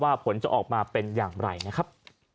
ผลจะออกมาเป็นอย่างไรนะครับ